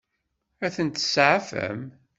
Ad ten-tseɛfem?